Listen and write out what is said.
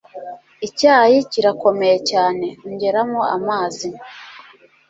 Icyayi kirakomeye cyane. Ongeramo amazi.